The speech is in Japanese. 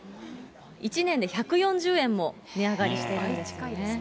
１年で１４０円も値上がりしてるんですね。